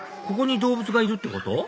ここに動物がいるってこと？